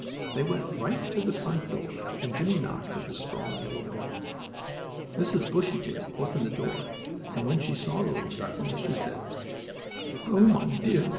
They went right to the front door, and Jimmie knocked with his strong, yellow bill. Mrs. Bushytail opened the door, and when she saw the little ducklings, she said: "Oh, my dears!